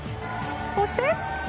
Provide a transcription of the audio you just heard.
そして。